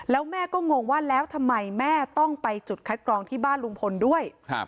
แล้วแม่ก็งงว่าแล้วทำไมแม่ต้องไปจุดคัดกรองที่บ้านลุงพลด้วย